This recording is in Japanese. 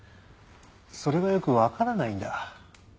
それがよく分からないんだ。